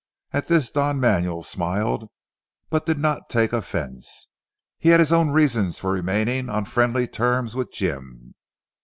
At this Don Manuel smiled but did not take offence. He had his own reasons for remaining on friendly terms with Jim.